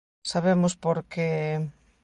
Sabemos por que...